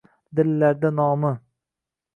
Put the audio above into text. Dillarda nomi